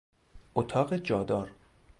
اتاق جادار